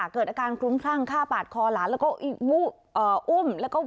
เกิดอาการกลุ้งครั่งฆ่าปาดคอลหลาน